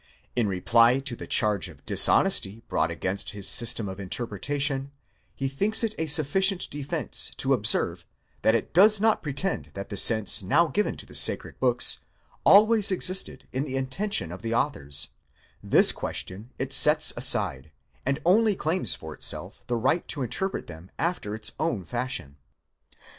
In reply to the charge of dishonesty brought against his system of interpretation, he thinks it a sufficient defence to observe, that it does not pretend that the 'sense now given to the sacred books, always existed in the intention of the authors ; this question it sets aside, and only claims for itself the right to inter 'pret them after its own fashion.